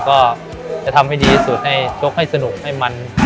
ก็จะทำให้ดีที่สุดให้ชกให้สนุกให้มัน